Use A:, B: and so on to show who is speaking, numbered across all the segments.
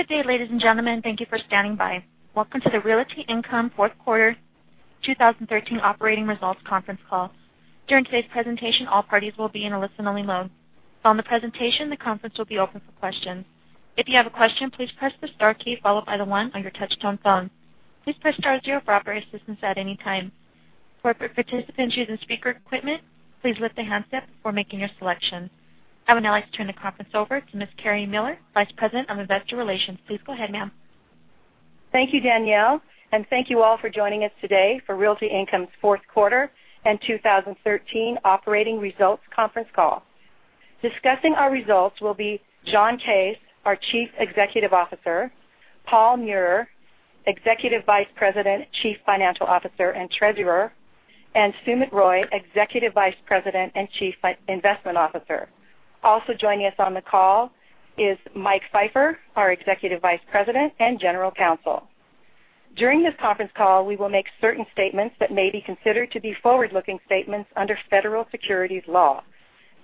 A: Good day, ladies and gentlemen. Thank you for standing by. Welcome to the Realty Income fourth quarter 2013 operating results conference call. During today's presentation, all parties will be in a listen-only mode. Following the presentation, the conference will be open for questions. If you have a question, please press the star key followed by the one on your touch-tone phone. Please press star zero for operator assistance at any time. Corporate participants using speaker equipment, please lift the handset before making your selection. I would now like to turn the conference over to Ms. Terry Miller, Vice President of Investor Relations. Please go ahead, ma'am.
B: Thank you, Danielle, and thank you all for joining us today for Realty Income's fourth quarter and 2013 operating results conference call. Discussing our results will be John Case, our Chief Executive Officer, Paul Meurer, Executive Vice President, Chief Financial Officer, and Treasurer, and Sumit Roy, Executive Vice President and Chief Investment Officer. Also joining us on the call is Mike Pfeiffer, our Executive Vice President and General Counsel. During this conference call, we will make certain statements that may be considered to be forward-looking statements under federal securities law.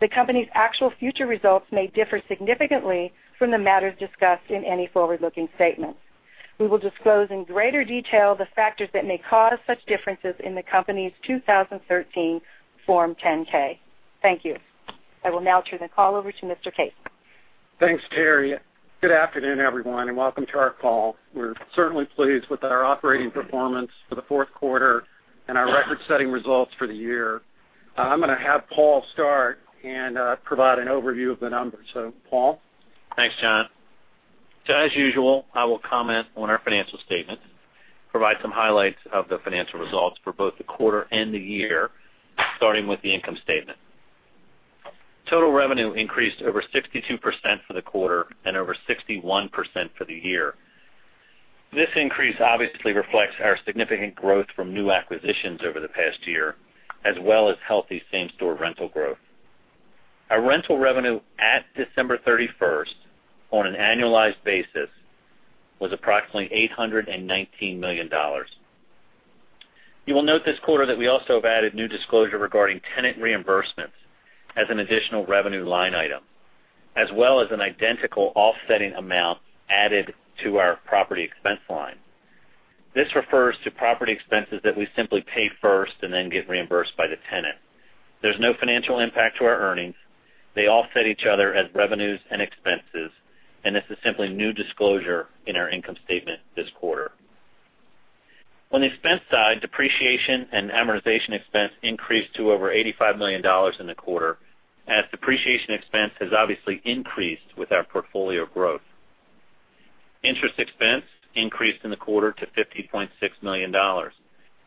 B: The company's actual future results may differ significantly from the matters discussed in any forward-looking statement. We will disclose in greater detail the factors that may cause such differences in the company's 2013 Form 10-K. Thank you. I will now turn the call over to Mr. Case.
C: Thanks, Terry. Good afternoon, everyone, and welcome to our call. We're certainly pleased with our operating performance for the fourth quarter and our record-setting results for the year. I'm going to have Paul start and provide an overview of the numbers. Paul?
D: Thanks, John. As usual, I will comment on our financial statement, provide some highlights of the financial results for both the quarter and the year, starting with the income statement. Total revenue increased over 62% for the quarter and over 61% for the year. This increase obviously reflects our significant growth from new acquisitions over the past year, as well as healthy same-store rental growth. Our rental revenue at December 31st on an annualized basis was approximately $819 million. You will note this quarter that we also have added new disclosure regarding tenant reimbursements as an additional revenue line item, as well as an identical offsetting amount added to our property expense line. This refers to property expenses that we simply pay first and then get reimbursed by the tenant. There's no financial impact to our earnings. They offset each other as revenues and expenses. This is simply new disclosure in our income statement this quarter. On the expense side, depreciation and amortization expense increased to over $85 million in the quarter, as depreciation expense has obviously increased with our portfolio growth. Interest expense increased in the quarter to $50.6 million.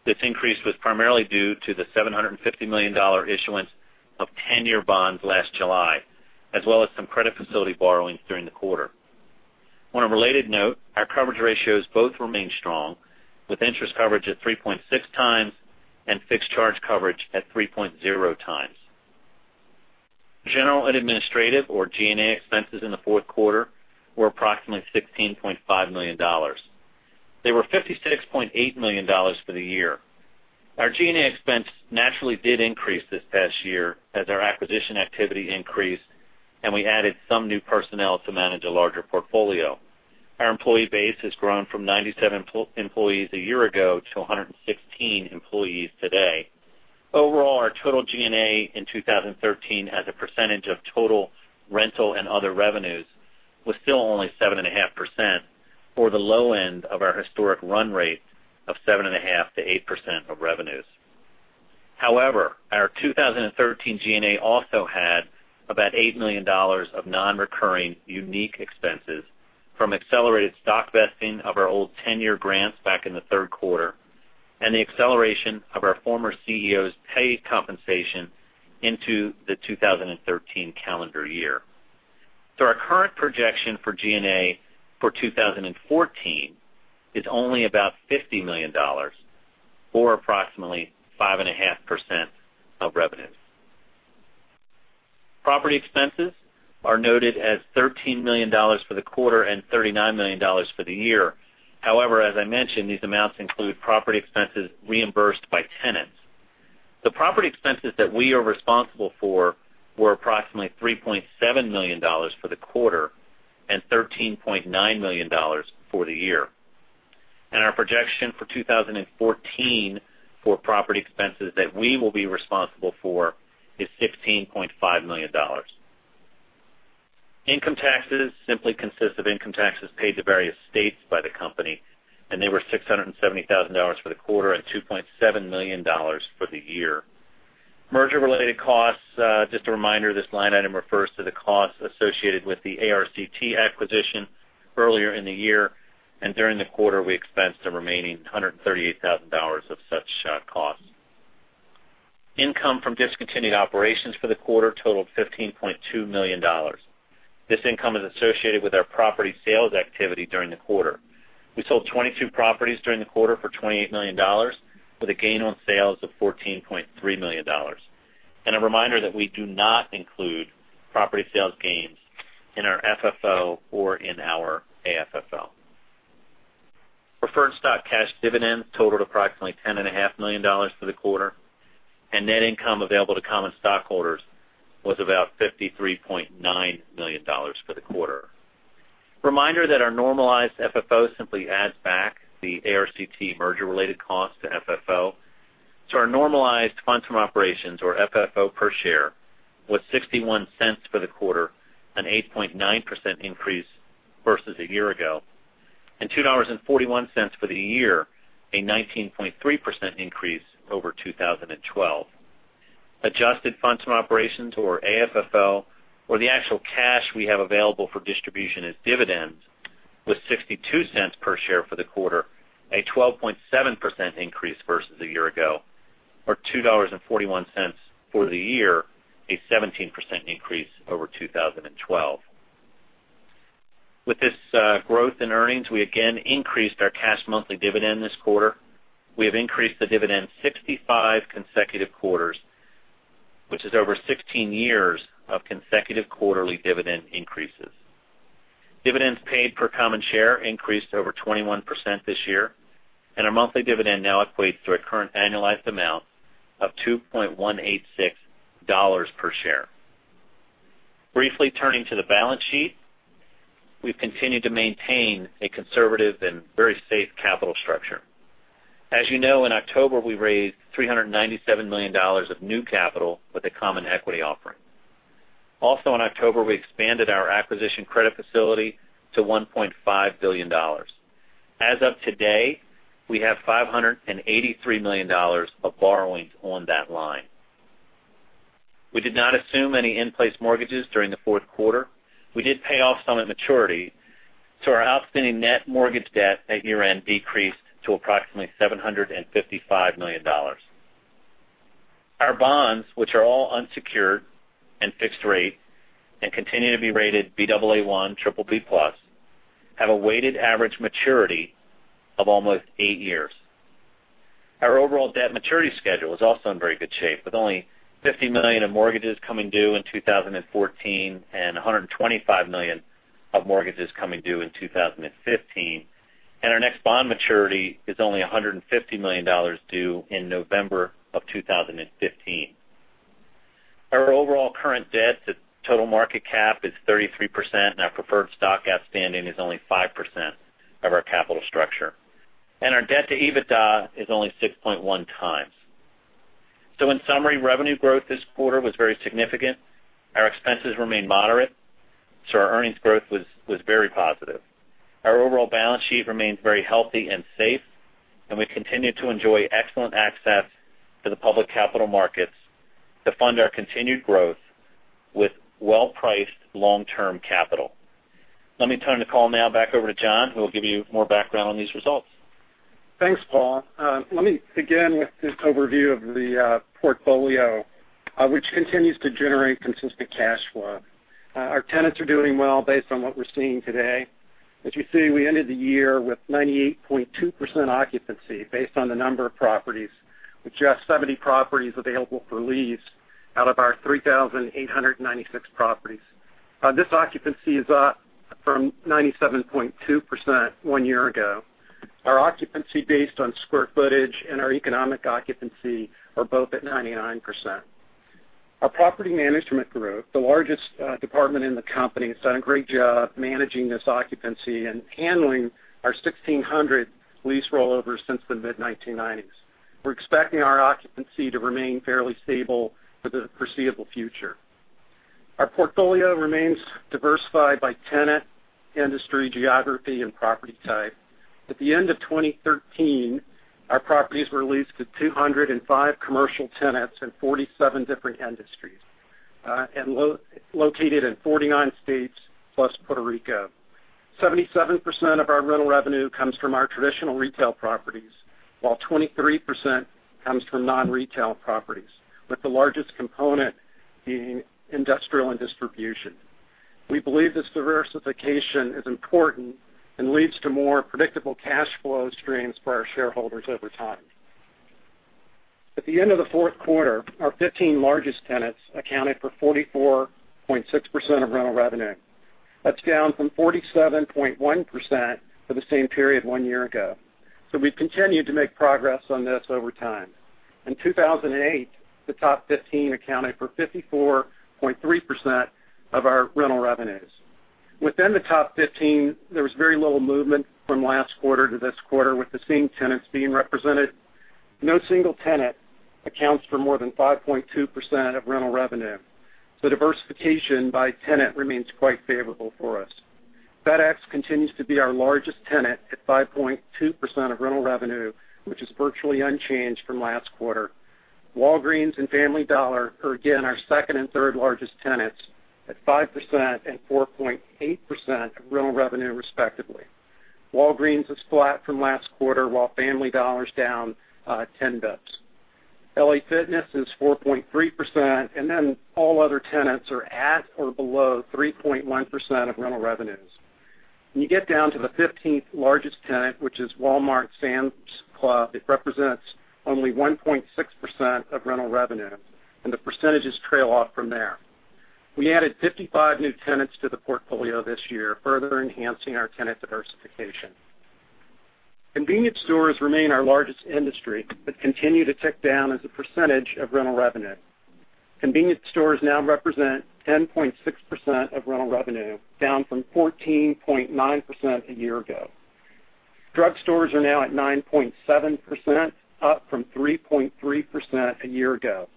D: This increase was primarily due to the $750 million issuance of 10-year bonds last July, as well as some credit facility borrowings during the quarter. On a related note, our coverage ratios both remain strong, with interest coverage at 3.6 times and fixed charge coverage at 3.0 times. General & administrative or G&A expenses in the fourth quarter were approximately $16.5 million. They were $56.8 million for the year. Our G&A expense naturally did increase this past year as our acquisition activity increased. We added some new personnel to manage a larger portfolio. Our employee base has grown from 97 employees a year ago to 116 employees today. Overall, our total G&A in 2013 as a percentage of total rental and other revenues was still only 7.5%, or the low end of our historic run rate of 7.5%-8% of revenues. However, our 2013 G&A also had about $8 million of non-recurring unique expenses from accelerated stock vesting of our old 10-year grants back in the third quarter and the acceleration of our former CEO's pay compensation into the 2013 calendar year. Our current projection for G&A for 2014 is only about $50 million, or approximately 5.5% of revenue. Property expenses are noted as $13 million for the quarter and $39 million for the year. However, as I mentioned, these amounts include property expenses reimbursed by tenants. The property expenses that we are responsible for were approximately $3.7 million for the quarter and $13.9 million for the year. Our projection for 2014 for property expenses that we will be responsible for is $16.5 million. Income taxes simply consist of income taxes paid to various states by the company, and they were $670,000 for the quarter and $2.7 million for the year. Merger-related costs, just a reminder, this line item refers to the costs associated with the ARCT acquisition earlier in the year. During the quarter, we expensed the remaining $138,000 of such costs. Income from discontinued operations for the quarter totaled $15.2 million. This income is associated with our property sales activity during the quarter. We sold 22 properties during the quarter for $28 million, with a gain on sales of $14.3 million. A reminder that we do not include property sales gains in our FFO or in our AFFO. Preferred stock cash dividends totaled approximately $10.5 million for the quarter, and net income available to common stockholders was about $53.9 million for the quarter. Reminder that our normalized FFO simply adds back the ARCT merger-related cost to FFO. Our normalized funds from operations or FFO per share was $0.61 for the quarter, an 8.9% increase versus a year ago, and $2.41 for the year, a 19.3% increase over 2012. Adjusted funds from operations or AFFO, or the actual cash we have available for distribution as dividends, was $0.62 per share for the quarter, a 12.7% increase versus a year ago, or $2.41 for the year, a 17% increase over 2012. With this growth in earnings, we again increased our cash monthly dividend this quarter. We have increased the dividend 65 consecutive quarters, which is over 16 years of consecutive quarterly dividend increases. Dividends paid per common share increased over 21% this year, and our monthly dividend now equates to a current annualized amount of $2.186 per share. Briefly turning to the balance sheet, we've continued to maintain a conservative and very safe capital structure. As you know, in October, we raised $397 million of new capital with a common equity offering. Also in October, we expanded our acquisition credit facility to $1.5 billion. As of today, we have $583 million of borrowings on that line. We did not assume any in-place mortgages during the fourth quarter. We did pay off some at maturity, so our outstanding net mortgage debt at year-end decreased to approximately $755 million. Our bonds, which are all unsecured and fixed rate and continue to be rated Baa1 BBB+, have a weighted average maturity of almost eight years. Our overall debt maturity schedule is also in very good shape, with only $50 million of mortgages coming due in 2014 and $125 million of mortgages coming due in 2015. Our next bond maturity is only $150 million due in November of 2015. Our overall current debt to total market cap is 33%, and our preferred stock outstanding is only 5% of our capital structure. Our debt to EBITDA is only 6.1 times. In summary, revenue growth this quarter was very significant. Our expenses remained moderate, so our earnings growth was very positive. Our overall balance sheet remains very healthy and safe, and we continue to enjoy excellent access to the public capital markets to fund our continued growth with well-priced long-term capital. Let me turn the call now back over to John, who will give you more background on these results.
C: Thanks, Paul. Let me begin with just overview of the portfolio, which continues to generate consistent cash flow. Our tenants are doing well based on what we're seeing today. As you see, we ended the year with 98.2% occupancy based on the number of properties, with just 70 properties available for lease out of our 3,896 properties. This occupancy is up from 97.2% one year ago. Our occupancy based on square footage and our economic occupancy are both at 99%. Our property management group, the largest department in the company, has done a great job managing this occupancy and handling our 1,600 lease rollovers since the mid-1990s. We're expecting our occupancy to remain fairly stable for the foreseeable future. Our portfolio remains diversified by tenant, industry, geography and property type. At the end of 2013, our properties were leased to 205 commercial tenants in 47 different industries, and located in 49 states plus Puerto Rico. 77% of our rental revenue comes from our traditional retail properties, while 23% comes from non-retail properties, with the largest component being industrial and distribution. We believe this diversification is important and leads to more predictable cash flow streams for our shareholders over time. At the end of the fourth quarter, our 15 largest tenants accounted for 44.6% of rental revenue. That's down from 47.1% for the same period one year ago. We've continued to make progress on this over time. In 2008, the top 15 accounted for 54.3% of our rental revenues. Within the top 15, there was very little movement from last quarter to this quarter, with the same tenants being represented. No single tenant accounts for more than 5.2% of rental revenue. Diversification by tenant remains quite favorable for us. FedEx continues to be our largest tenant at 5.2% of rental revenue, which is virtually unchanged from last quarter. Walgreens and Family Dollar are again our second and third largest tenants at 5% and 4.8% of rental revenue, respectively. Walgreens is flat from last quarter, while Family Dollar is down 10 basis points. LA Fitness is 4.3%, and all other tenants are at or below 3.1% of rental revenues. When you get down to the 15th largest tenant, which is Walmart Sam's Club, it represents only 1.6% of rental revenue, and the percentages trail off from there. We added 55 new tenants to the portfolio this year, further enhancing our tenant diversification. Convenience stores remain our largest industry, but continue to tick down as a percentage of rental revenue. Convenience stores now represent 10.6% of rental revenue, down from 14.9% a year ago. Drug stores are now at 9.7%, up from 3.3% a year ago.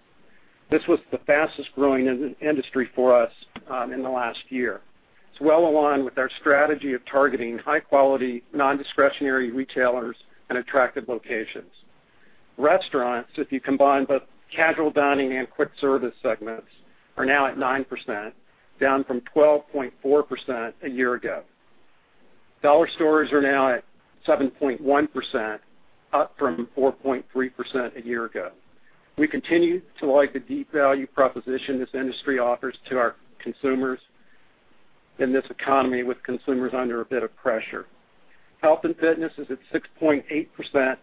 C: This was the fastest-growing industry for us in the last year. It's well-aligned with our strategy of targeting high-quality, non-discretionary retailers and attractive locations. Restaurants, if you combine both casual dining and quick service segments, are now at 9%, down from 12.4% a year ago. Dollar stores are now at 7.1%, up from 4.3% a year ago. We continue to like the deep value proposition this industry offers to our consumers in this economy, with consumers under a bit of pressure. Health and fitness is at 6.8%,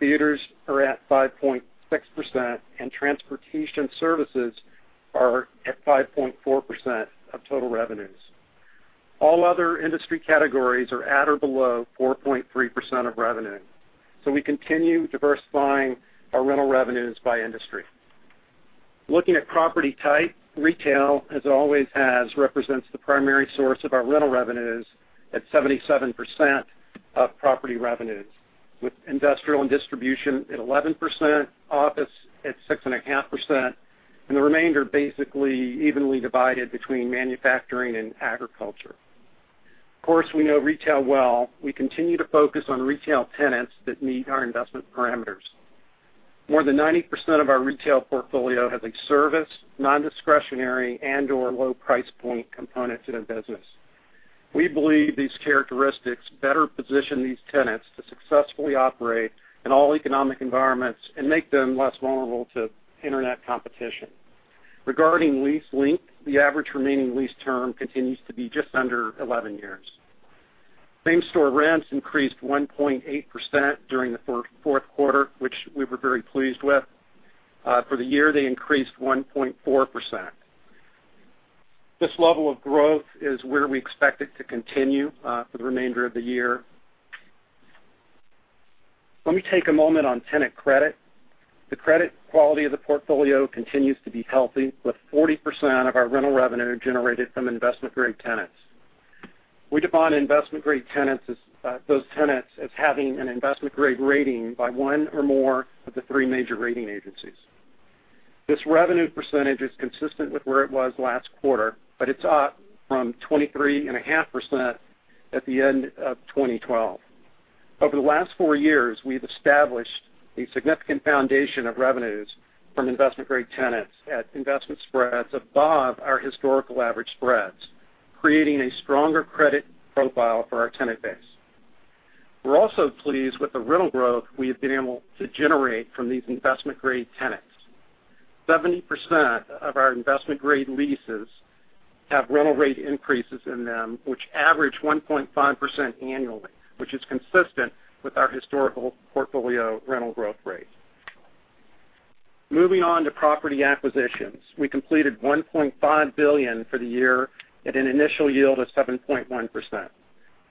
C: theaters are at 5.6%, and transportation services are at 5.4% of total revenues. All other industry categories are at or below 4.3% of revenue. We continue diversifying our rental revenues by industry. Looking at property type, retail, as always has, represents the primary source of our rental revenues at 77% of property revenues, with industrial and distribution at 11%, office at 6.5%, and the remainder basically evenly divided between manufacturing and agriculture. Of course, we know retail well. We continue to focus on retail tenants that meet our investment parameters. More than 90% of our retail portfolio has a service, non-discretionary, and/or low price point component to their business. We believe these characteristics better position these tenants to successfully operate in all economic environments and make them less vulnerable to internet competition. Regarding lease length, the average remaining lease term continues to be just under 11 years. Same-store rents increased 1.8% during the fourth quarter, which we were very pleased with. For the year, they increased 1.4%. This level of growth is where we expect it to continue for the remainder of the year. Let me take a moment on tenant credit. The credit quality of the portfolio continues to be healthy, with 40% of our rental revenue generated from investment-grade tenants. We define investment-grade tenants as those tenants as having an investment-grade rating by one or more of the three major rating agencies. This revenue percentage is consistent with where it was last quarter, but it's up from 23.5% at the end of 2012. Over the last four years, we've established a significant foundation of revenues from investment-grade tenants at investment spreads above our historical average spreads, creating a stronger credit profile for our tenant base. We're also pleased with the rental growth we have been able to generate from these investment-grade tenants. 70% of our investment-grade leases have rental rate increases in them, which average 1.5% annually, which is consistent with our historical portfolio rental growth rate. Moving on to property acquisitions. We completed $1.5 billion for the year at an initial yield of 7.1%.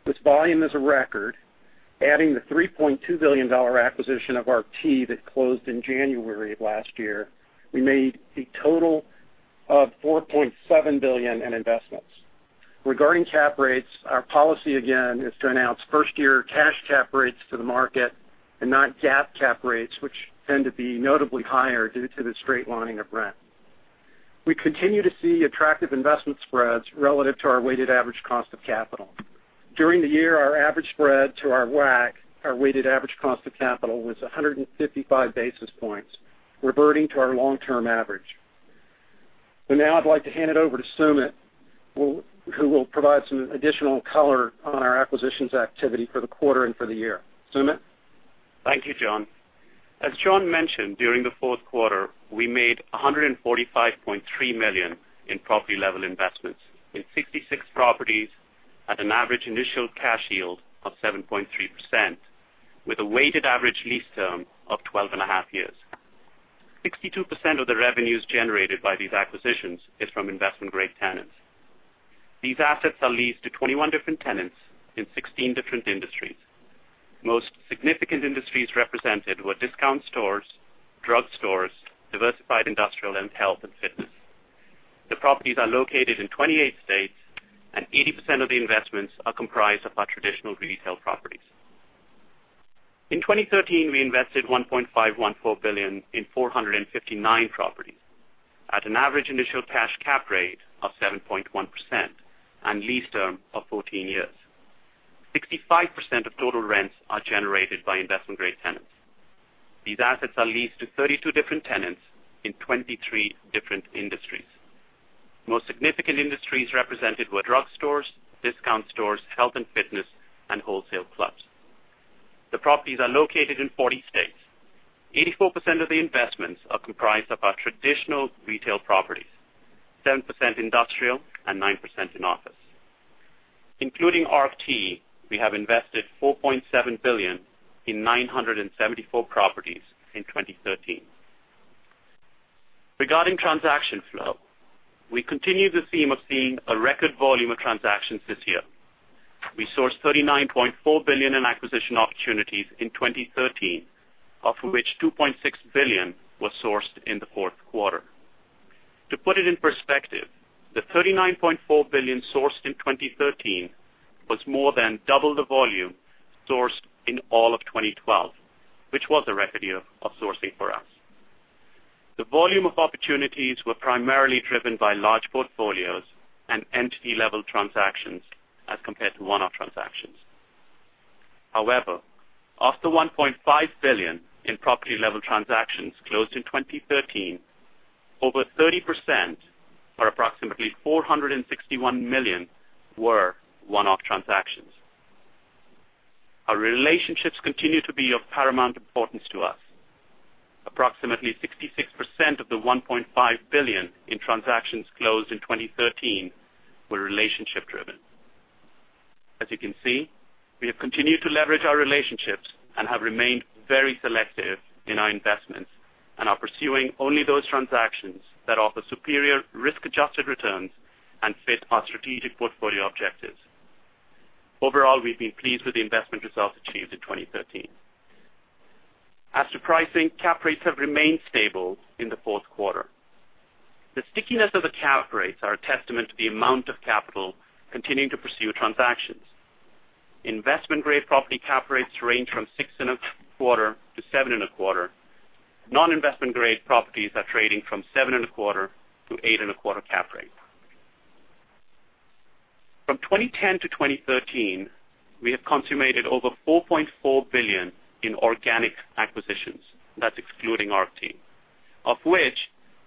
C: This volume is a record. Adding the $3.2 billion acquisition of ARCT that closed in January of last year, we made a total of $4.7 billion in investments. Regarding cap rates, our policy, again, is to announce first-year cash cap rates to the market and not GAAP cap rates, which tend to be notably higher due to the straight lining of rent. We continue to see attractive investment spreads relative to our weighted average cost of capital. During the year, our average spread to our WACC, our weighted average cost of capital, was 155 basis points, reverting to our long-term average. Now I'd like to hand it over to Sumit, who will provide some additional color on our acquisitions activity for the quarter and for the year. Sumit?
E: Thank you, John. As John mentioned, during the fourth quarter, we made $145.3 million in property-level investments in 66 properties at an average initial cash yield of 7.3%, with a weighted average lease term of 12.5 years. 62% of the revenues generated by these acquisitions is from investment-grade tenants. These assets are leased to 21 different tenants in 16 different industries. Most significant industries represented were discount stores, drug stores, diversified industrial, and health and fitness. The properties are located in 28 states, and 80% of the investments are comprised of our traditional retail properties. In 2013, we invested $1.514 billion in 459 properties at an average initial cash cap rate of 7.1% and lease term of 14 years. 65% of total rents are generated by investment-grade tenants. These assets are leased to 32 different tenants in 23 different industries. Most significant industries represented were drug stores, discount stores, health and fitness, and wholesale clubs. The properties are located in 40 states. 84% of the investments are comprised of our traditional retail properties, 7% industrial and 9% in office. Including ARCT, we have invested $4.7 billion in 974 properties in 2013. Regarding transaction flow, we continue the theme of seeing a record volume of transactions this year. We sourced $39.4 billion in acquisition opportunities in 2013, of which $2.6 billion was sourced in the fourth quarter. To put it in perspective, the $39.4 billion sourced in 2013 was more than double the volume sourced in all of 2012, which was a record year of sourcing for us. The volume of opportunities were primarily driven by large portfolios and entity-level transactions as compared to one-off transactions. Of the $1.5 billion in property-level transactions closed in 2013, over 30%, or approximately $461 million, were one-off transactions. Our relationships continue to be of paramount importance to us. Approximately 66% of the $1.5 billion in transactions closed in 2013 were relationship-driven. As you can see, we have continued to leverage our relationships and have remained very selective in our investments and are pursuing only those transactions that offer superior risk-adjusted returns and fit our strategic portfolio objectives. Overall, we've been pleased with the investment results achieved in 2013. As to pricing, cap rates have remained stable in the fourth quarter. The stickiness of the cap rates are a testament to the amount of capital continuing to pursue transactions. Investment-grade property cap rates range from 6.25%-7.25%. Non-investment grade properties are trading from 7.25%-8.25% cap rate. From 2010 to 2013, we have consummated over $4.4 billion in organic acquisitions. That's excluding ARCT, of which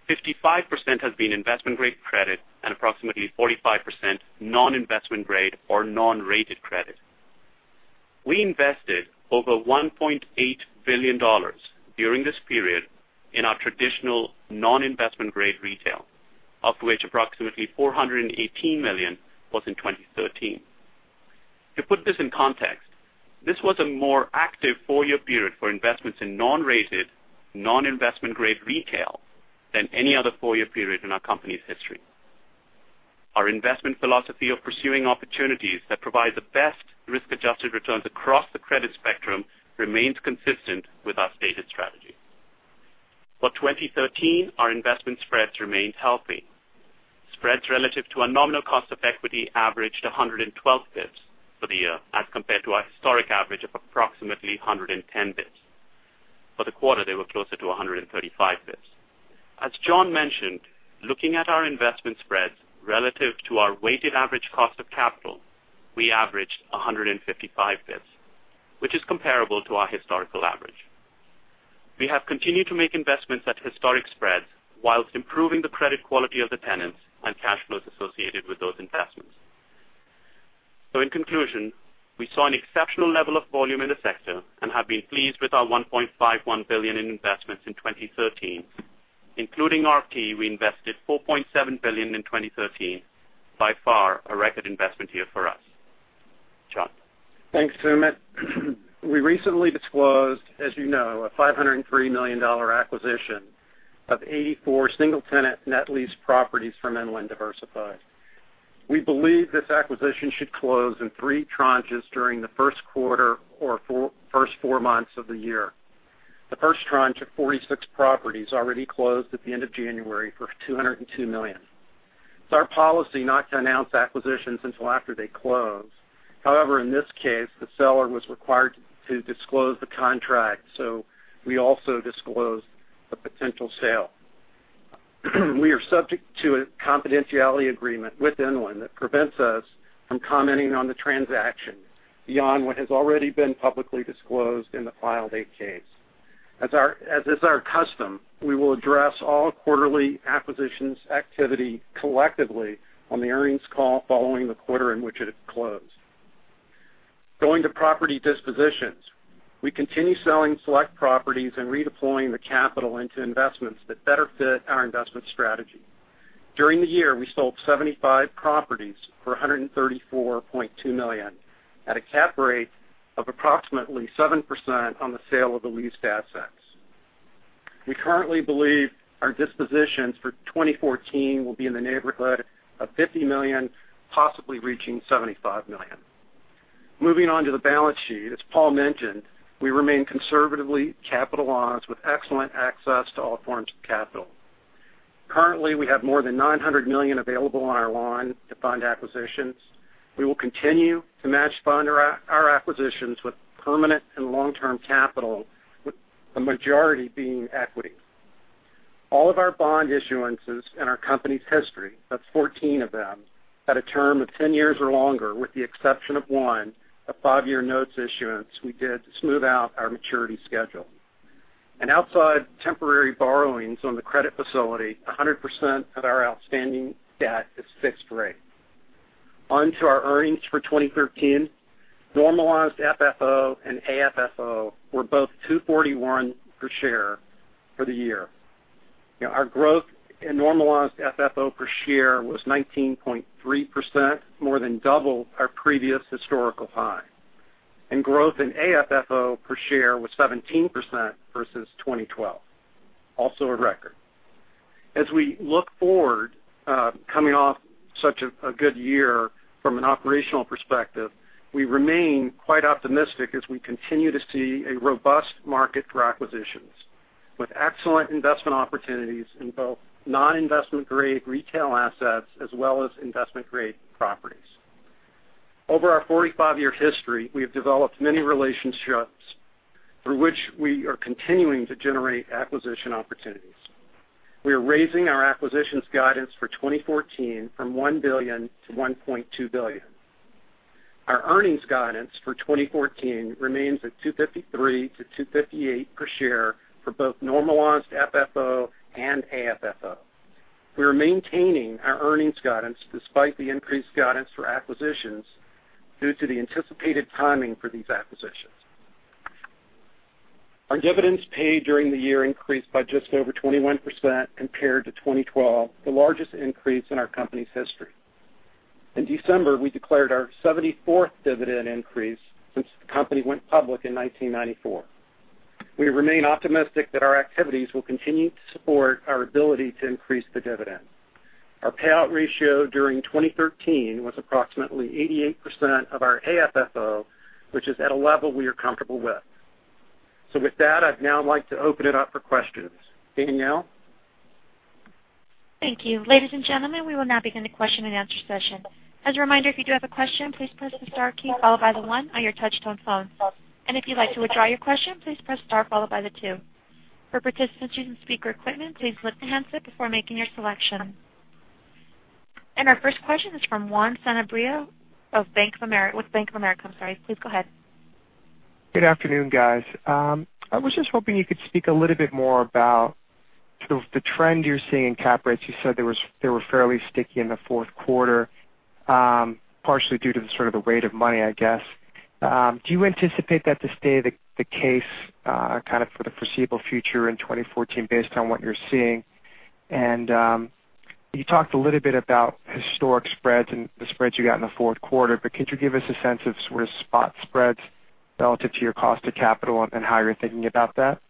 E: 55% has been investment-grade credit and approximately 45% non-investment grade or non-rated credit. We invested over $1.8 billion during this period in our traditional non-investment-grade retail, of which approximately $418 million was in 2013. To put this in context, this was a more active four-year period for investments in non-rated, non-investment grade retail than any other four-year period in our company's history. Our investment philosophy of pursuing opportunities that provide the best risk-adjusted returns across the credit spectrum remains consistent with our stated strategy. For 2013, our investment spreads remained healthy. Spreads relative to our nominal cost of equity averaged 112 basis points for the year as compared to our historic average of approximately 110 basis points. For the quarter, they were closer to 135 basis points. As John mentioned, looking at our investment spreads relative to our weighted average cost of capital, we averaged 155 basis points, which is comparable to our historical average. We have continued to make investments at historic spreads whilst improving the credit quality of the tenants and cash flows associated with those investments. In conclusion, we saw an exceptional level of volume in the sector and have been pleased with our $1.51 billion in investments in 2013. Including ARCT, we invested $4.7 billion in 2013, by far a record investment year for us. John?
C: Thanks, Sumit. We recently disclosed, as you know, a $503 million acquisition of 84 single-tenant net lease properties from Inland Diversified. We believe this acquisition should close in three tranches during the first quarter or first four months of the year. The first tranche of 46 properties already closed at the end of January for $202 million. It's our policy not to announce acquisitions until after they close. However, in this case, the seller was required to disclose the contract, so we also disclosed the potential sale. We are subject to a confidentiality agreement with Inland that prevents us from commenting on the transaction beyond what has already been publicly disclosed in the filed 8-K's. As is our custom, we will address all quarterly acquisitions activity collectively on the earnings call following the quarter in which it is closed. Going to property dispositions. We continue selling select properties and redeploying the capital into investments that better fit our investment strategy. During the year, we sold 75 properties for $134.2 million at a cap rate of approximately 7% on the sale of the leased assets. We currently believe our dispositions for 2014 will be in the neighborhood of $50 million, possibly reaching $75 million. Moving on to the balance sheet. As Paul mentioned, we remain conservatively capitalized with excellent access to all forms of capital. Currently, we have more than $900 million available on our line to fund acquisitions. We will continue to match fund our acquisitions with permanent and long-term capital, with the majority being equity. All of our bond issuances in our company's history, that's 14 of them, had a term of 10 years or longer, with the exception of one, a five-year notes issuance we did to smooth out our maturity schedule. Outside temporary borrowings on the credit facility, 100% of our outstanding debt is fixed rate. On to our earnings for 2013, normalized FFO and AFFO were both $2.41 per share for the year. Our growth in normalized FFO per share was 19.3%, more than double our previous historical high. Growth in AFFO per share was 17% versus 2012, also a record. As we look forward, coming off such a good year from an operational perspective, we remain quite optimistic as we continue to see a robust market for acquisitions, with excellent investment opportunities in both non-investment-grade retail assets as well as investment-grade properties. Over our 45-year history, we have developed many relationships through which we are continuing to generate acquisition opportunities. We are raising our acquisitions guidance for 2014 from $1 billion to $1.2 billion. Our earnings guidance for 2014 remains at $2.53-$2.58 per share for both normalized FFO and AFFO. We are maintaining our earnings guidance despite the increased guidance for acquisitions due to the anticipated timing for these acquisitions. Our dividends paid during the year increased by just over 21% compared to 2012, the largest increase in our company's history. In December, we declared our 74th dividend increase since the company went public in 1994. We remain optimistic that our activities will continue to support our ability to increase the dividend. Our payout ratio during 2013 was approximately 88% of our AFFO, which is at a level we are comfortable with. With that, I'd now like to open it up for questions. Danielle?
A: Thank you. Ladies and gentlemen, we will now begin the question-and-answer session. As a reminder, if you do have a question, please press the star key followed by the one on your touch-tone phone. If you'd like to withdraw your question, please press star followed by the two. For participants using speaker equipment, please lift the handset before making your selection. Our first question is from Juan Sanabria with Bank of America. Please go ahead.
F: Good afternoon, guys. I was just hoping you could speak a little bit more about sort of the trend you're seeing in cap rates. You said they were fairly sticky in the fourth quarter, partially due to the sort of the rate of money, I guess. Do you anticipate that to stay the case kind of for the foreseeable future in 2014 based on what you're seeing? You talked a little bit about historic spreads and the spreads you got in the fourth quarter, but could you give us a sense of sort of spot spreads relative to your cost of capital and how you're thinking about that?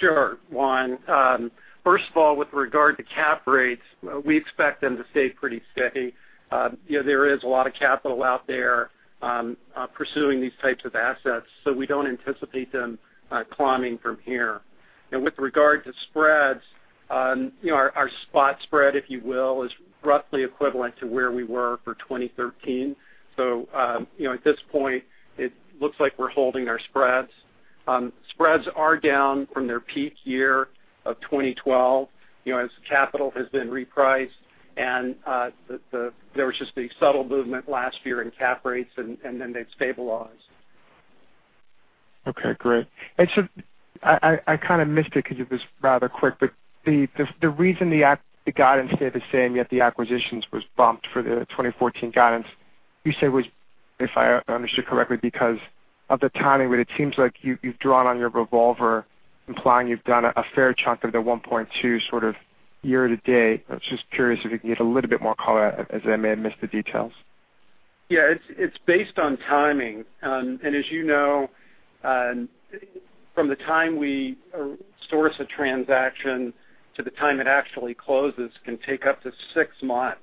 C: Sure, Juan. First of all, with regard to cap rates, we expect them to stay pretty sticky. There is a lot of capital out there pursuing these types of assets, we don't anticipate them climbing from here. With regard to spreads, our spot spread, if you will, is roughly equivalent to where we were for 2013. At this point, it looks like we're holding our spreads. Spreads are down from their peak year of 2012, as capital has been repriced, there was just a subtle movement last year in cap rates, they've stabilized.
F: Okay, great. I kind of missed it because it was rather quick, but the reason the guidance stayed the same, yet the acquisitions was bumped for the 2014 guidance, you said was, if I understood correctly, because of the timing, but it seems like you've drawn on your revolver, implying you've done a fair chunk of the $1.2 billion sort of year to date. I was just curious if you could give a little bit more color as I may have missed the details.
C: Yeah, it's based on timing. As you know, from the time we source a transaction to the time it actually closes can take up to six months.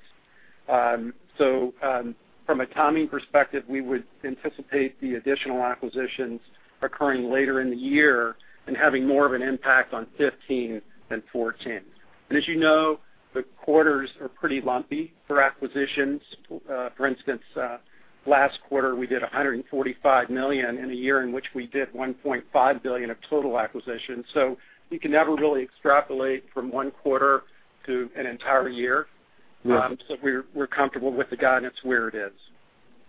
C: From a timing perspective, we would anticipate the additional acquisitions occurring later in the year and having more of an impact on 2015 than 2014. As you know, the quarters are pretty lumpy for acquisitions. For instance, last quarter, we did $145 million in a year in which we did $1.5 billion of total acquisitions. You can never really extrapolate from one quarter to an entire year.
F: Yeah.
C: We're comfortable with the guidance where it is.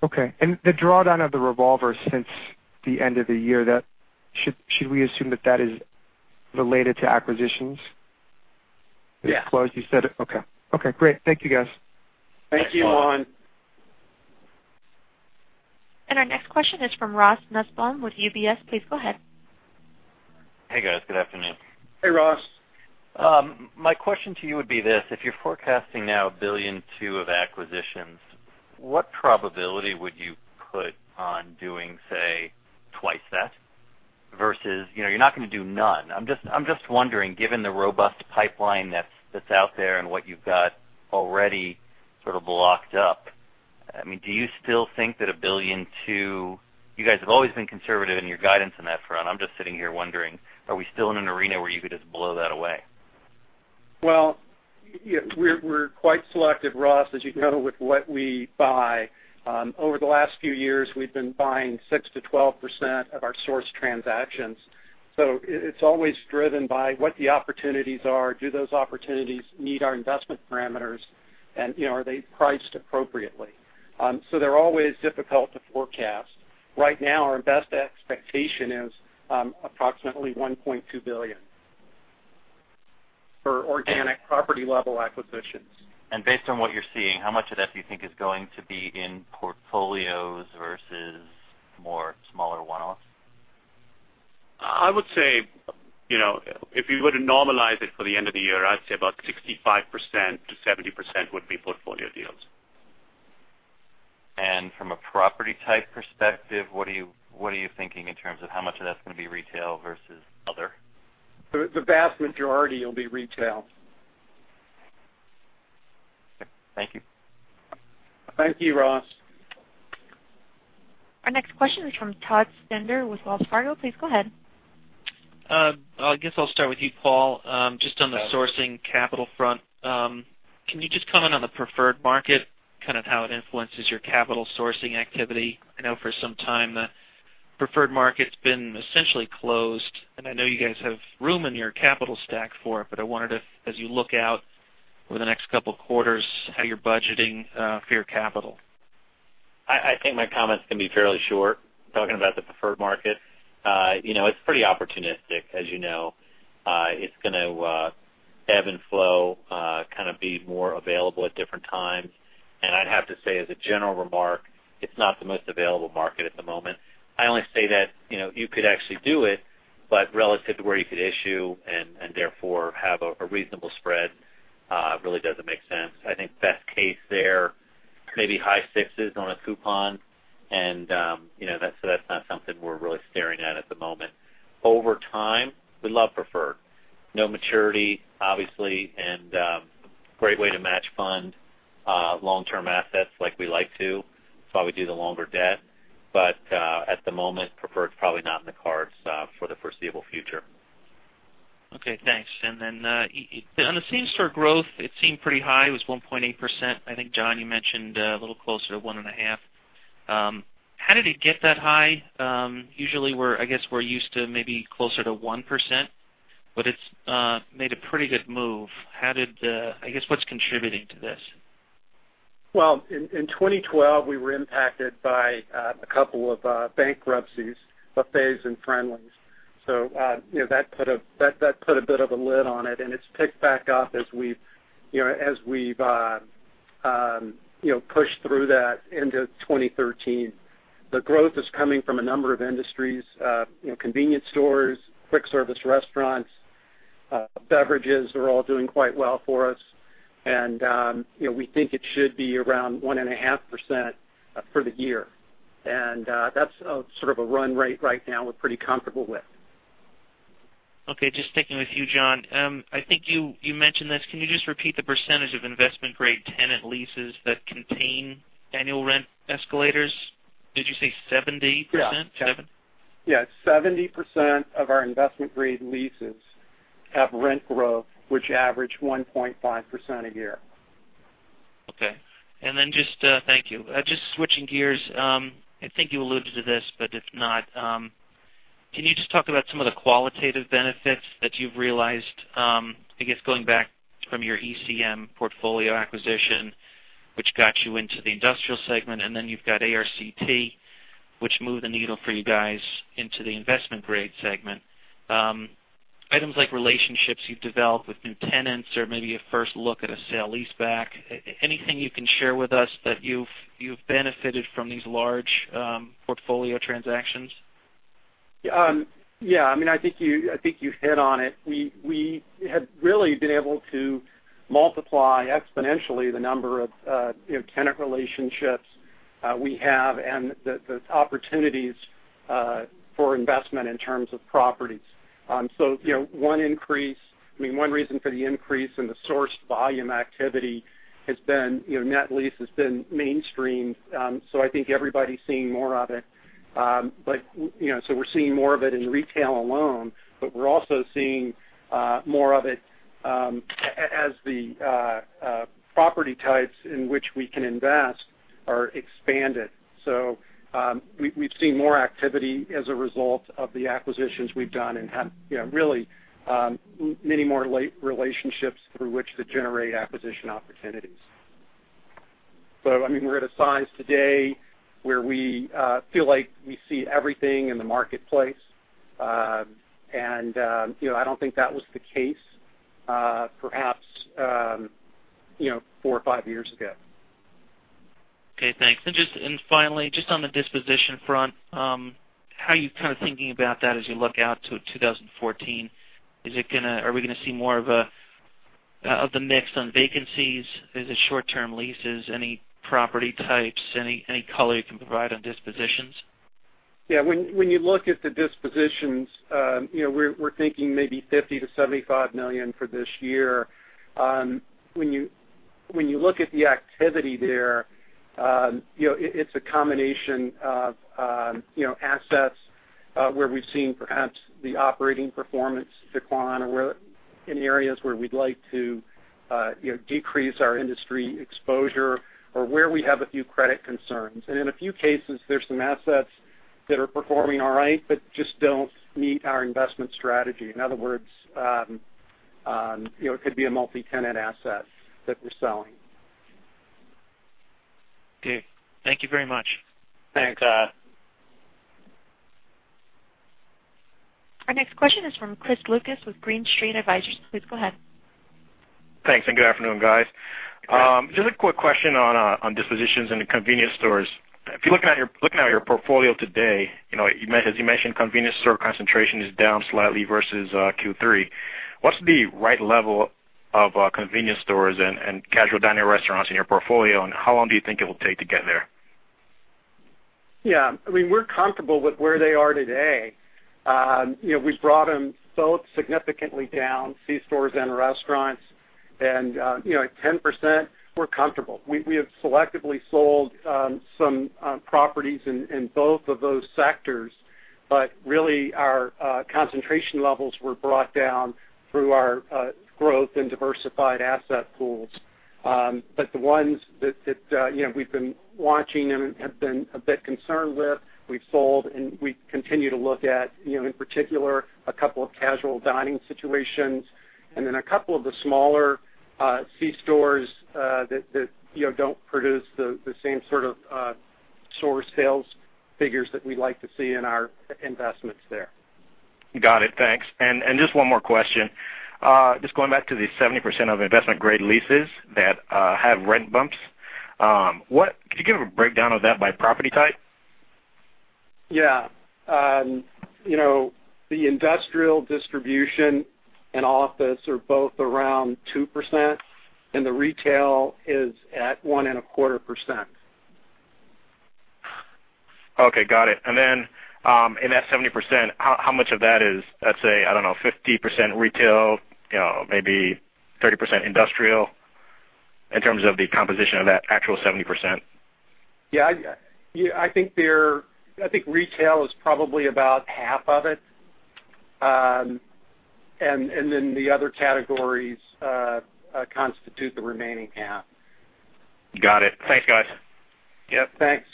F: Okay, the drawdown of the revolver since the end of the year, should we assume that is related to acquisitions?
C: Yeah.
F: You said it. Okay. Okay, great. Thank you, guys.
C: Thank you, Juan.
A: Our next question is from Ross Nussbaum with UBS. Please go ahead.
G: Hey, guys. Good afternoon.
C: Hey, Ross.
G: My question to you would be this: If you're forecasting now $1.2 billion of acquisitions, what probability would you put on doing, say, twice that versus? You're not going to do none. I'm just wondering, given the robust pipeline that's out there and what you've got already sort of locked up, do you still think that $1.2 billion? You guys have always been conservative in your guidance on that front. I'm just sitting here wondering, are we still in an arena where you could just blow that away?
C: Well, we're quite selective, Ross, as you know, with what we buy. Over the last few years, we've been buying 6%-12% of our source transactions. It's always driven by what the opportunities are. Do those opportunities meet our investment parameters, and are they priced appropriately? They're always difficult to forecast. Right now, our best expectation is approximately $1.2 billion for organic property-level acquisitions.
G: Based on what you're seeing, how much of that do you think is going to be in portfolios versus more smaller one-offs?
E: I would say, if you were to normalize it for the end of the year, I'd say about 65%-70% would be portfolio deals.
G: From a property type perspective, what are you thinking in terms of how much of that's going to be retail versus other?
C: The vast majority will be retail.
G: Okay, thank you.
C: Thank you, Ross.
A: Our next question is from Todd Stender with Wells Fargo. Please go ahead.
H: I guess I'll start with you, Paul. Just on the sourcing capital front. Can you just comment on the preferred market, kind of how it influences your capital sourcing activity? I know for some time, the preferred market's been essentially closed, I know you guys have room in your capital stack for it, but I wanted to, as you look out over the next couple of quarters, how you're budgeting for your capital.
D: I think my comments can be fairly short, talking about the preferred market. It's pretty opportunistic as you know. It's going to ebb and flow, kind of be more available at different times. I'd have to say as a general remark, it's not the most available market at the moment. I only say that you could actually do it, but relative to where you could issue and therefore have a reasonable spread, really doesn't make sense. I think best case there, maybe high sixes on a coupon, that's not something we're really staring at at the moment. Over time, we love preferred. No maturity, obviously, great way to match fund long-term assets like we like to. It's why we do the longer debt. At the moment, preferred's probably not in the cards for the foreseeable future.
H: Okay, thanks. On the same store growth, it seemed pretty high. It was 1.8%. I think, John, you mentioned a little closer to one and a half. How did it get that high? Usually, I guess we're used to maybe closer to 1%, but it's made a pretty good move. I guess, what's contributing to this?
C: Well, in 2012, we were impacted by a couple of bankruptcies, Buffets and Friendly's. That put a bit of a lid on it, and it's picked back up as we've pushed through that into 2013. The growth is coming from a number of industries, convenience stores, quick service restaurants, beverages are all doing quite well for us. We think it should be around 1.5% for the year. That's sort of a run rate right now we're pretty comfortable with.
H: Okay, just sticking with you, John. I think you mentioned this. Can you just repeat the percentage of investment-grade tenant leases that contain annual rent escalators? Did you say 70%?
C: Yeah.
H: Seven?
C: Yeah. 70% of our investment-grade leases have rent growth, which average 1.5% a year.
H: Okay. Thank you. Just switching gears, I think you alluded to this, but if not, can you just talk about some of the qualitative benefits that you've realized, I guess, going back from your [ECM] portfolio acquisition, which got you into the industrial segment, and then you've got ARCT, which moved the needle for you guys into the investment grade segment. Items like relationships you've developed with new tenants or maybe a first look at a sale-leaseback. Anything you can share with us that you've benefited from these large portfolio transactions?
C: Yeah. I think you hit on it. We have really been able to multiply exponentially the number of tenant relationships we have and the opportunities for investment in terms of properties. One reason for the increase in the sourced volume activity has been net lease has been mainstreamed, so I think everybody's seeing more of it. We're seeing more of it in retail alone, but we're also seeing more of it as the property types in which we can invest are expanded. We've seen more activity as a result of the acquisitions we've done and have really, many more late relationships through which to generate acquisition opportunities. We're at a size today where we feel like we see everything in the marketplace. I don't think that was the case, perhaps, four or five years ago.
H: Okay, thanks. Finally, just on the disposition front, how are you kind of thinking about that as you look out to 2014? Are we going to see more of the mix on vacancies? Is it short-term leases? Any property types? Any color you can provide on dispositions?
C: Yeah. When you look at the dispositions, we're thinking maybe $50 million to $75 million for this year. When you look at the activity there, it's a combination of assets, where we've seen perhaps the operating performance decline or in areas where we'd like to decrease our industry exposure or where we have a few credit concerns. In a few cases, there's some assets that are performing all right but just don't meet our investment strategy. In other words, it could be a multi-tenant asset that we're selling.
H: Okay. Thank you very much.
C: Thanks.
A: Our next question is from Chris Lucas with Green Street Advisors. Please go ahead.
I: Thanks, and good afternoon, guys. Just a quick question on dispositions in the convenience stores. If you're looking at your portfolio today, as you mentioned, convenience store concentration is down slightly versus Q3. What's the right level of convenience stores and casual dining restaurants in your portfolio, and how long do you think it will take to get there?
C: Yeah. We're comfortable with where they are today. We've brought them both significantly down, C-stores and restaurants, 10%, we're comfortable. We have selectively sold some properties in both of those sectors, really, our concentration levels were brought down through our growth in diversified asset pools. The ones that we've been watching and have been a bit concerned with, we've sold, we continue to look at, in particular, a couple of casual dining situations, a couple of the smaller C-stores that don't produce the same sort of store sales figures that we'd like to see in our investments there.
I: Got it. Thanks. Just one more question. Just going back to the 70% of investment-grade leases that have rent bumps. Could you give a breakdown of that by property type?
C: Yeah. The industrial distribution and office are both around 2%, and the retail is at 1.25%.
I: Okay, got it. In that 70%, how much of that is, let's say, I don't know, 50% retail, maybe 30% industrial, in terms of the composition of that actual 70%?
C: Yeah. I think retail is probably about half of it. The other categories constitute the remaining half.
I: Got it. Thanks, guys.
C: Yep, thanks.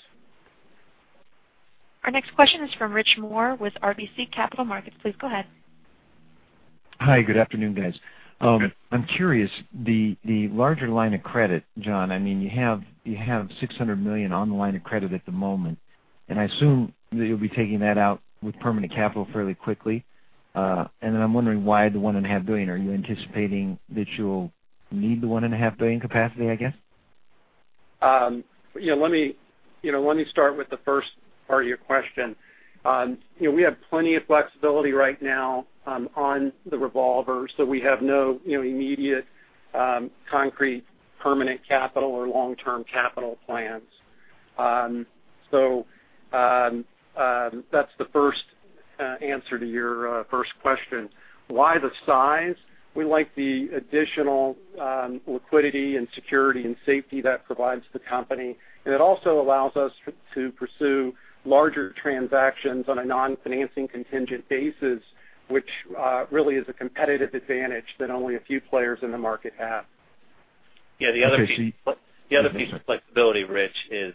A: Our next question is from Rich Moore with RBC Capital Markets. Please go ahead.
J: Hi, good afternoon, guys.
C: Good.
J: I'm curious, the larger line of credit, John, you have $600 million on the line of credit at the moment, I assume that you'll be taking that out with permanent capital fairly quickly. I'm wondering why the $1.5 billion. Are you anticipating that you'll need the $1.5 billion capacity, I guess?
C: Let me start with the first part of your question. We have plenty of flexibility right now on the revolver, we have no immediate concrete permanent capital or long-term capital plans. That's the first answer to your first question. Why the size? We like the additional liquidity and security and safety that provides the company, it also allows us to pursue larger transactions on a non-financing contingent basis, which really is a competitive advantage that only a few players in the market have.
D: Yeah, the other piece of flexibility, Rich, is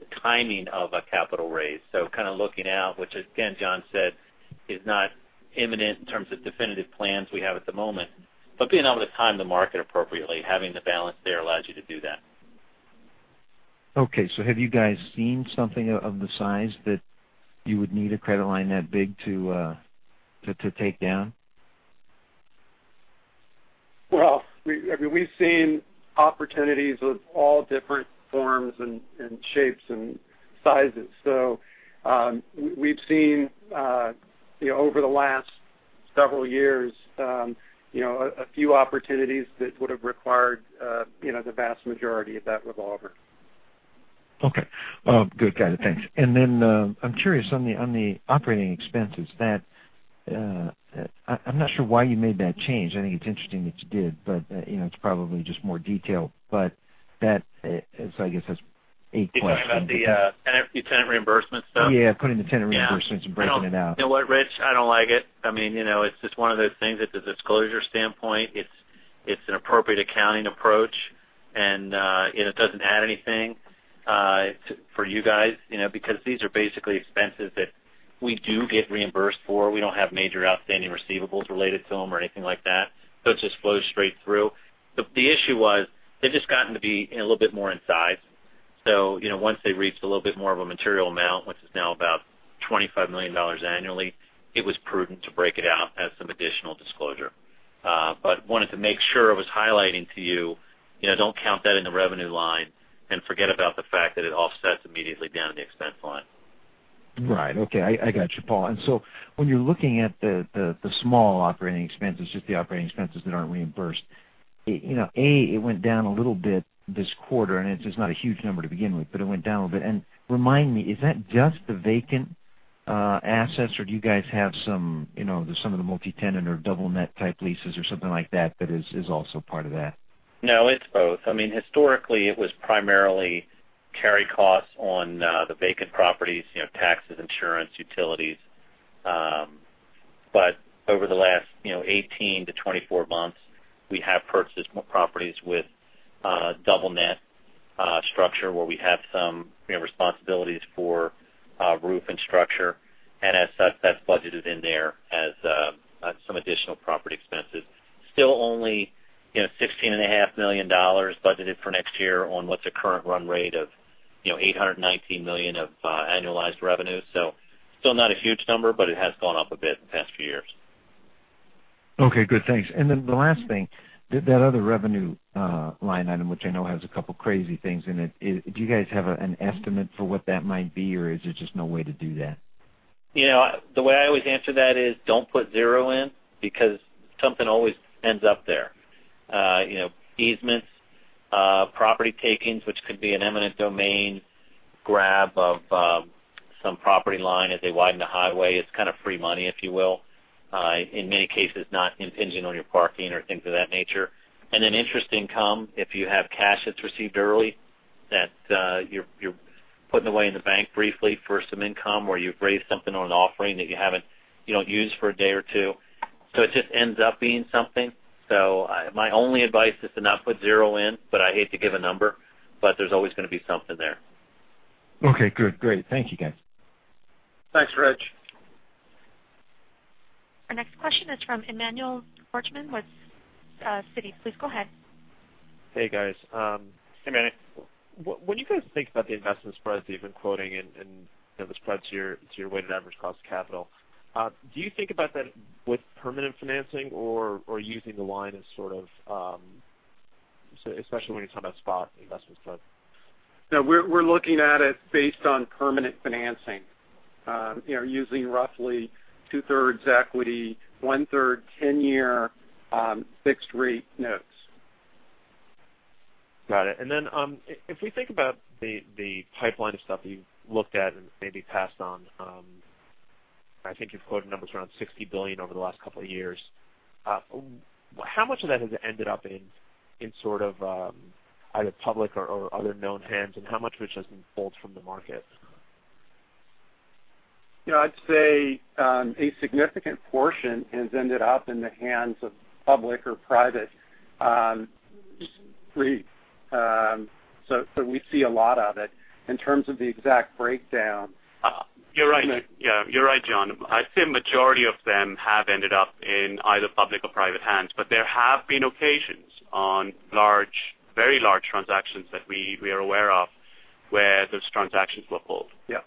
D: the timing of a capital raise. Kind of looking out, which again, John said is not imminent in terms of definitive plans we have at the moment. Being able to time the market appropriately, having the balance there allows you to do that.
J: Okay. Have you guys seen something of the size that you would need a credit line that big to take down?
C: We've seen opportunities of all different forms and shapes and sizes. We've seen, over the last several years, a few opportunities that would've required the vast majority of that revolver.
J: Okay. Good. Got it. Thanks. I'm curious on the operating expenses. I'm not sure why you made that change. I think it's interesting that you did, but it's probably just more detail. That is, I guess that's a question.
D: You're talking about the tenant reimbursement stuff?
J: Yeah, putting the tenant reimbursements and breaking it out.
D: You know what, Rich? I don't like it. It's just one of those things that the disclosure standpoint, it's an appropriate accounting approach, and it doesn't add anything for you guys, because these are basically expenses that we do get reimbursed for. We don't have major outstanding receivables related to them or anything like that, so it just flows straight through. The issue was they've just gotten to be a little bit more in size. Once they reached a little bit more of a material amount, which is now about $25 million annually, it was prudent to break it out, add some additional disclosure. Wanted to make sure I was highlighting to you, don't count that in the revenue line and forget about the fact that it offsets immediately down in the expense line.
J: Right. Okay. I got you, Paul. When you're looking at the small operating expenses, just the operating expenses that aren't reimbursed, A, it went down a little bit this quarter, and it's just not a huge number to begin with, but it went down a bit. Remind me, is that just the vacant assets, or do you guys have some of the multi-tenant or double net type leases or something like that is also part of that?
D: No, it's both. Historically, it was primarily carry costs on the vacant properties, taxes, insurance, utilities. Over the last 18 to 24 months, we have purchased more properties with double net structure where we have some responsibilities for roof and structure. That's budgeted in there as some additional property expenses. Still only $16.5 million budgeted for next year on what's a current run rate of $819 million of annualized revenue. Still not a huge number, but it has gone up a bit in the past few years.
J: Okay, good. Thanks. The last thing, that other revenue line item, which I know has a couple of crazy things in it, do you guys have an estimate for what that might be, or is there just no way to do that?
D: Interest income, if you have cash that's received early that you're putting away in the bank briefly for some income, or you've raised something on an offering that you haven't used for a day or two. It just ends up being something. My only advice is to not put zero in, but I hate to give a number, but there's always going to be something there.
J: Okay, good. Great. Thank you, guys.
C: Thanks, Rich.
A: Our next question is from Emmanuel Korchman with Citi. Please go ahead.
K: Hey, guys.
C: Hey, Manny.
K: When you guys think about the investment spreads that you've been quoting and the spreads to your weighted average cost of capital, do you think about that with permanent financing or using the line as sort of, especially when you're talking about spot investment spread?
C: No, we're looking at it based on permanent financing. Using roughly two-thirds equity, one-third, 10-year, fixed-rate notes.
K: Got it. Then, if we think about the pipeline of stuff that you've looked at and maybe passed on, I think you've quoted numbers around $60 billion over the last couple of years. How much of that has ended up in sort of, either public or other known hands, and how much of it has been pulled from the market?
C: I'd say, a significant portion has ended up in the hands of public or private REITs. We see a lot of it. In terms of the exact breakdown.
E: You're right, John. I'd say a majority of them have ended up in either public or private hands. There have been occasions on very large transactions that we are aware of, where those transactions were pulled.
C: Yeah.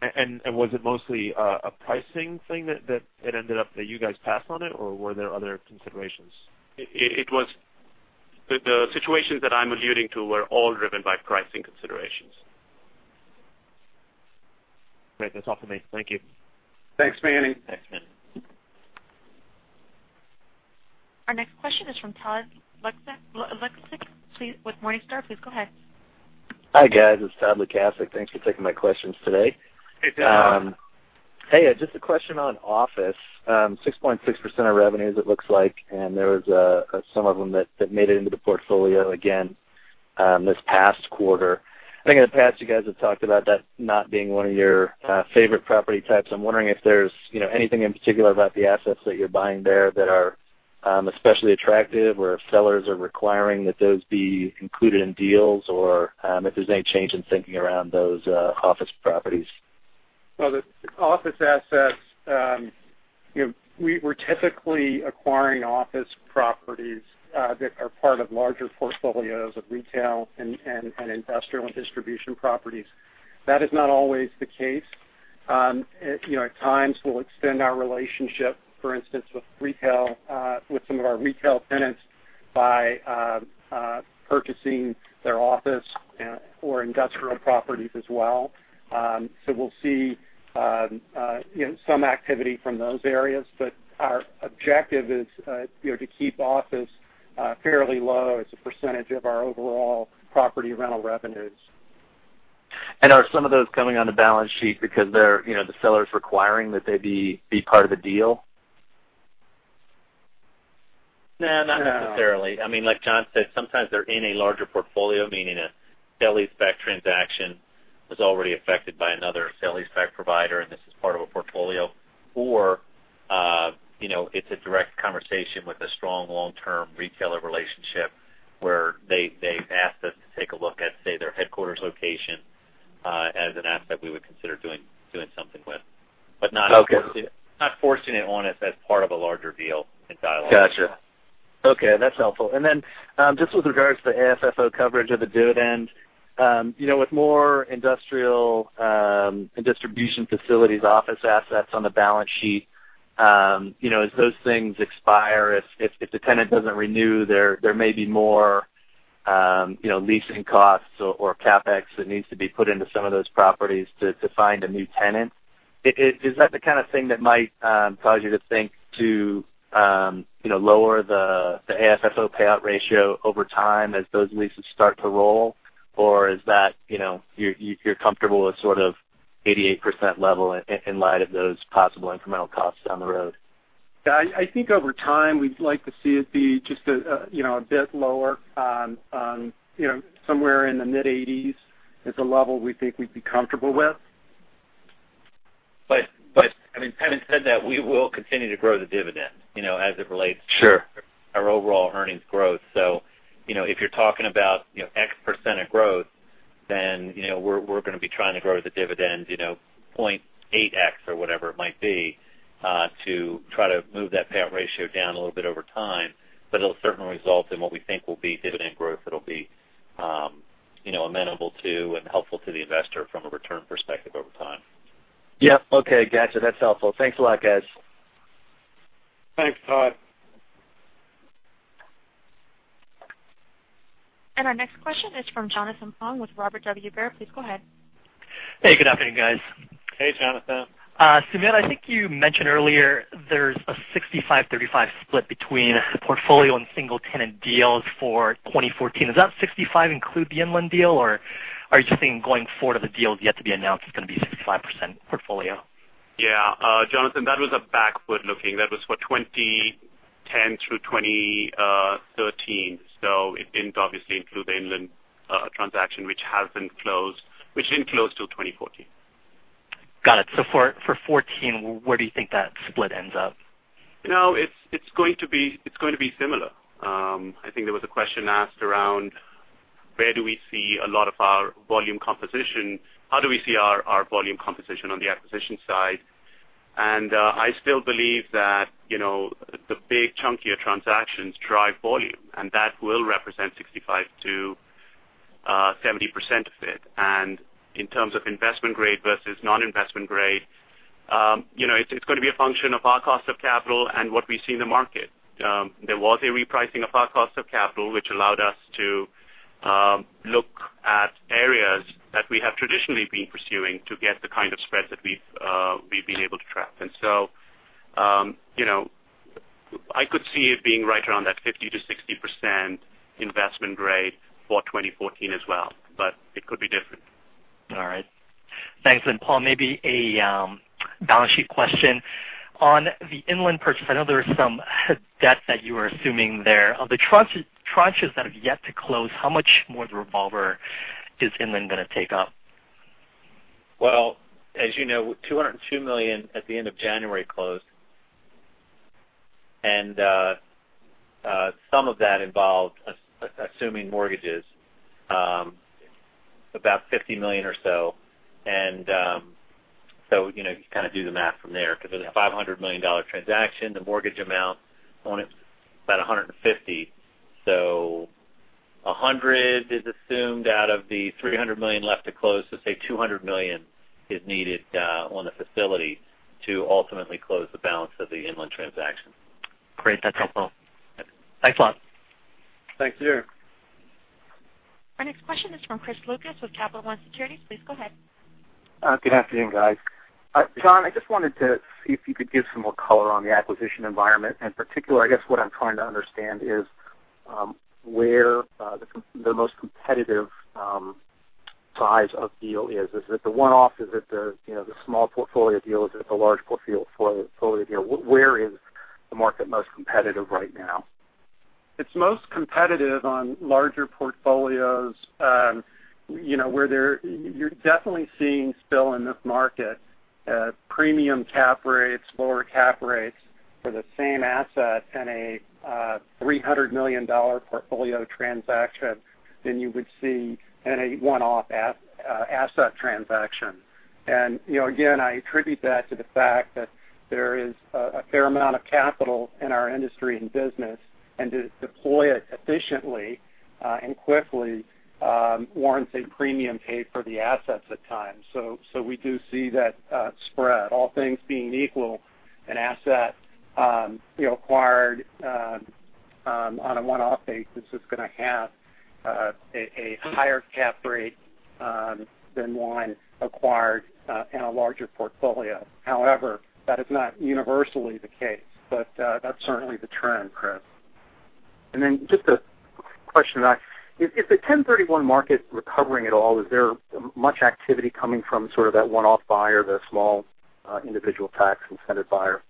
K: Was it mostly a pricing thing that it ended up that you guys passed on it, or were there other considerations?
E: The situations that I'm alluding to were all driven by pricing considerations.
K: Great. That's all for me. Thank you.
C: Thanks, Manny.
D: Thanks, Manny.
A: Our next question is from Todd Lukasik with Morningstar. Please go ahead.
L: Hi, guys. It's Todd Lukasik. Thanks for taking my questions today.
C: Hey, Todd.
L: Hey, just a question on office. 6.6% of revenues, it looks like. There was some of them that made it into the portfolio again this past quarter. I think in the past, you guys have talked about that not being one of your favorite property types. I'm wondering if there's anything in particular about the assets that you're buying there that are especially attractive, or if sellers are requiring that those be included in deals, or if there's any change in thinking around those office properties.
C: The office assets, we're typically acquiring office properties that are part of larger portfolios of retail and industrial and distribution properties. That is not always the case. At times, we'll extend our relationship, for instance, with some of our retail tenants by purchasing their office or industrial properties as well. We'll see some activity from those areas. Our objective is to keep office fairly low as a percentage of our overall property rental revenues.
L: Are some of those coming on the balance sheet because the seller's requiring that they be part of a deal?
D: No, not necessarily. Like John said, sometimes they're in a larger portfolio, meaning a sale-leaseback transaction was already affected by another sale-leaseback provider, and this is part of a portfolio. It's a direct conversation with a strong long-term retailer relationship where they've asked us to take a look at, say, their headquarters location as an asset we would consider doing something with.
L: Okay
D: Forcing it on us as part of a larger deal in dialogue.
L: Got you. Okay. That's helpful. Then, just with regards to the AFFO coverage of the dividend. With more industrial and distribution facilities, office assets on the balance sheet, as those things expire, if the tenant doesn't renew, there may be more leasing costs or CapEx that needs to be put into some of those properties to find a new tenant. Is that the kind of thing that might cause you to think to lower the AFFO payout ratio over time as those leases start to roll? Or you're comfortable with sort of 88% level in light of those possible incremental costs down the road?
C: I think over time, we'd like to see it be just a bit lower. Somewhere in the mid-80s is a level we think we'd be comfortable with.
D: Having said that, we will continue to grow the dividend.
L: Sure
D: It relates to our overall earnings growth. If you're talking about X% of growth, then we're going to be trying to grow the dividend 0.8X or whatever it might be, to try to move that payout ratio down a little bit over time. It'll certainly result in what we think will be dividend growth that'll be amenable to and helpful to the investor from a return perspective over time.
L: Yep. Okay, gotcha. That's helpful. Thanks a lot, guys.
C: Thanks, Todd.
A: Our next question is from Jonathan Pong with Robert W. Baird. Please go ahead.
M: Hey, good afternoon, guys.
C: Hey, Jonathan.
M: Sumit, I think you mentioned earlier there's a 65/35 split between the portfolio and single-tenant deals for 2014. Does that 65 include the Inland deal, or are you just saying going forward of the deals yet to be announced is going to be 65% portfolio?
E: Yeah. Jonathan, that was a backward-looking. That was for 2010 through 2013. It didn't obviously include the Inland transaction, which hasn't closed, which didn't close till 2014.
M: Got it. For 2014, where do you think that split ends up?
E: It's going to be similar. I think there was a question asked around where do we see a lot of our volume composition, how do we see our volume composition on the acquisition side? I still believe that the big chunkier transactions drive volume, and that will represent 65%-70% of it. In terms of investment-grade versus non-investment grade, it's going to be a function of our cost of capital and what we see in the market. There was a repricing of our cost of capital, which allowed us to look at areas that we have traditionally been pursuing to get the kind of spread that we've been able to track. I could see it being right around that 50%-60% investment grade for 2014 as well, but it could be different.
M: All right. Thanks. Paul, maybe a balance sheet question. On the Inland purchase, I know there was some debt that you were assuming there. Of the tranches that have yet to close, how much more of the revolver is Inland going to take up?
D: Well, as you know, $202 million at the end of January closed. Some of that involved assuming mortgages, about $50 million or so. You kind of do the math from there because it's a $500 million transaction. The mortgage amount on it was about $150. $100 is assumed out of the $300 million left to close. Say, $200 million is needed on the facility to ultimately close the balance of the Inland transaction.
M: Great. That's helpful. Thanks a lot.
C: Thanks. See you.
A: Our next question is from Chris Lucas with Capital One Securities. Please go ahead.
N: Good afternoon, guys. John, I just wanted to see if you could give some more color on the acquisition environment. In particular, I guess what I'm trying to understand is where the most competitive size of deal is. Is it the one-off? Is it the small portfolio deals? Is it the large portfolio deals? Where is the market most competitive right now?
C: It's most competitive on larger portfolios, where you're definitely seeing still in this market premium cap rates, lower cap rates for the same asset in a $300 million portfolio transaction than you would see in a one-off asset transaction. Again, I attribute that to the fact that there is a fair amount of capital in our industry and business, and to deploy it efficiently and quickly warrants a premium paid for the assets at times. We do see that spread. All things being equal, an asset acquired on a one-off basis is going to have a higher cap rate than one acquired in a larger portfolio. However, that is not universally the case, but that's certainly the trend, Chris.
N: Just a quick question back. Is the 1031 market recovering at all? Is there much activity coming from sort of that one-off buyer, the small individual tax-incentive buyer?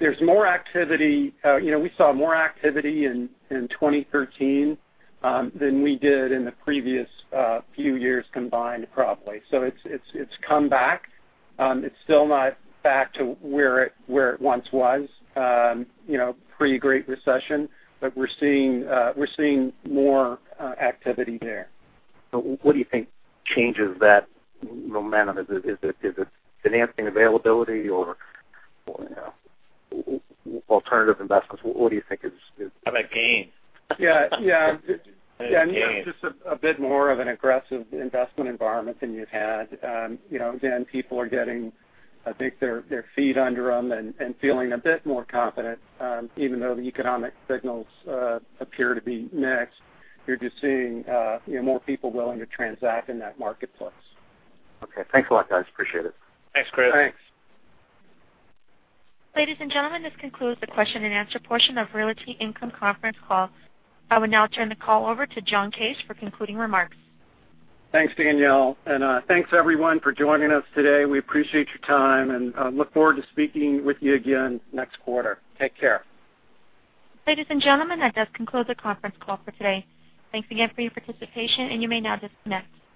C: There's more activity. We saw more activity in 2013 than we did in the previous few years combined, probably. It's come back. It's still not back to where it once was pre-Great Recession. We're seeing more activity there.
N: What do you think changes that momentum? Is it financing availability or alternative investments? What do you think it is?
D: How about gain?
C: Yeah.
D: It is gain.
C: Just a bit more of an aggressive investment environment than you've had. People are getting, I think, their feet under them and feeling a bit more confident. Even though the economic signals appear to be mixed, you're just seeing more people willing to transact in that marketplace.
N: Okay. Thanks a lot, guys. Appreciate it.
D: Thanks, Chris.
C: Thanks.
A: Ladies and gentlemen, this concludes the question-and-answer portion of Realty Income conference call. I will now turn the call over to John Case for concluding remarks.
C: Thanks, Danielle. Thanks everyone for joining us today. We appreciate your time and look forward to speaking with you again next quarter. Take care.
A: Ladies and gentlemen, that does conclude the conference call for today. Thanks again for your participation, and you may now disconnect.